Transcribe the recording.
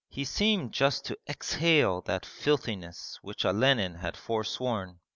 He seemed just to exhale that filthiness which Olenin had forsworn.